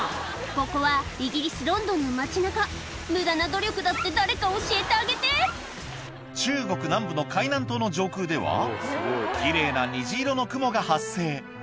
ここはイギリスロンドンの町中無駄な努力だって誰か教えてあげて中国南部の海南島の上空では奇麗な虹色の雲が発生